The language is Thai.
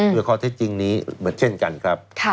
ด้วยข้อที่จริงนี้เหมือนเช่นกันครับ